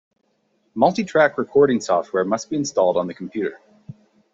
Multitrack recording software must be installed on the computer.